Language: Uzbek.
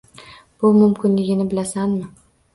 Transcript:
Bu mumkinligini bilasanmi?